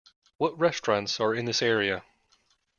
What restaurants are in this area?